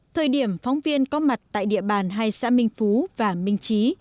thời điểm phóng viên có mặt tại địa bàn hai xã minh phú và minh trí